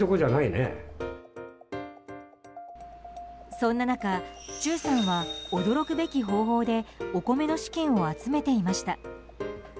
そんな中、忠さんは驚くべき方法でお米の資金を集めていました。